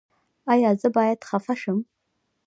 ایا زه باید خفه شم؟